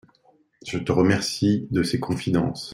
Je te remercie de ces confidences.